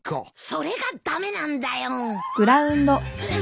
それが駄目なんだよ。